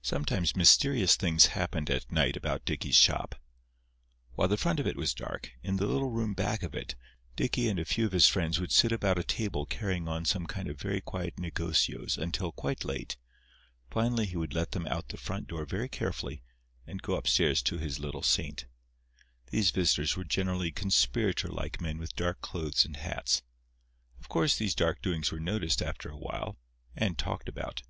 Sometimes mysterious things happened at night about Dicky's shop. While the front of it was dark, in the little room back of it Dicky and a few of his friends would sit about a table carrying on some kind of very quiet negocios until quite late. Finally he would let them out the front door very carefully, and go upstairs to his little saint. These visitors were generally conspirator like men with dark clothes and hats. Of course, these dark doings were noticed after a while, and talked about.